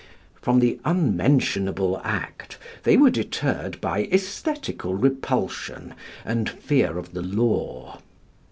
From the unmentionable act they were deterred by æsthetical repulsion and fear of the law.